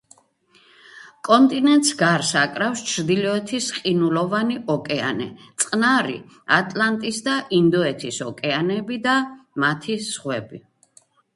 კონტინენტს გარს აკრავს ჩრდილოეთის ყინულოვანი ოკეანე, წყნარი, ატლანტის და ინდოეთის ოკეანეები და მათი ზღვები.